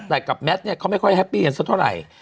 แต่กับแมทเนี่ยเขาไม่ค่อยแฮปปี้กันสักเท่าไหร่